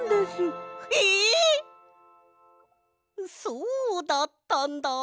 そうだったんだ。